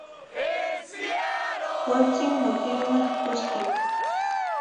Cualtzin motilmah costic